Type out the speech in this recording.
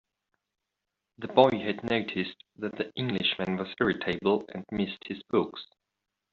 The boy had noticed that the Englishman was irritable, and missed his books.